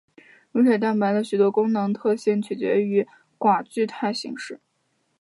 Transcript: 乳铁蛋白的许多功能特性取决于其寡聚态形式。